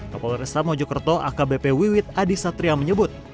kapolresta mojokerto akbp wiwit adi satria menyebut